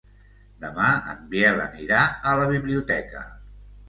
Demà en Biel anirà a la biblioteca.